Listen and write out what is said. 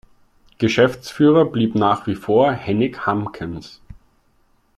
Geschäftsführer blieb nach wie vor Henning Hamkens.